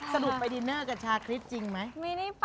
สรุปไปดินเนอร์กับชาคริสต์จริงไหม